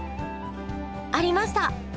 ありました！